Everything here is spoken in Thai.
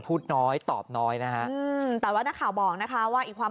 พูดน้อยตอบน้อยนะฮะอืมแต่ว่านักข่าวบอกนะคะว่าอีกความ